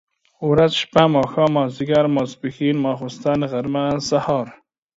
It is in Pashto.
ورځ، شپه ،ماښام، ماځيګر، ماسپښن ، ماخوستن ، غرمه ،سهار،